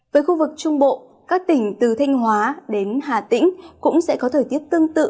với khu vực trung bộ các tỉnh từ thanh hóa đến hà tĩnh cũng sẽ có thời tiết tương tự